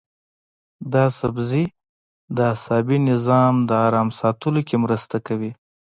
دا سبزی د عصبي نظام د ارام ساتلو کې مرسته کوي.